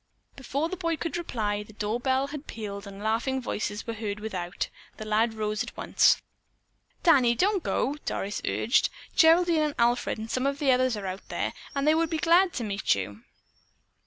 Before the boy could reply, the door bell had pealed and laughing voices were heard without. The lad rose at once. "Danny, don't go!" Doris urged. "Geraldine and Alfred and some of the others are out there, and they would be glad to meet you."